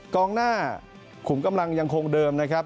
กองหน้าขุมกำลังยังคงเดิมนะครับ